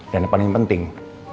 dan yang paling penting